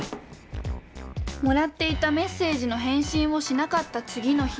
もらっていたメッセージの返信をしなかった次の日。